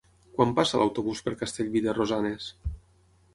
Quan passa l'autobús per Castellví de Rosanes?